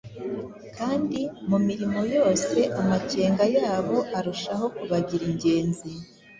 Kandi mu mirimo yose amakenga yabo arushaho kubagira ingenzi